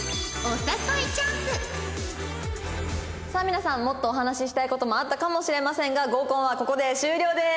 皆さんもっとお話ししたい事もあったかもしれませんが合コンはここで終了です。